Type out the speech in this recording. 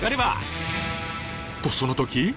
とその時。